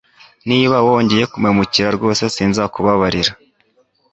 Niba wongeye kumpemukira rwose sinzakubabarira